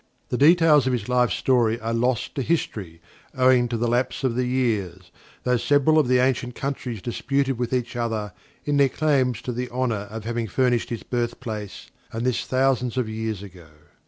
The details of his life story are lost to history, owing to the lapse of the years, though several of the ancient countries disputed with each other in their claims to the honor of having furnished his birthplace and this thousands of years ago.